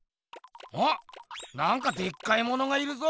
おっなんかでっかいものがいるぞ。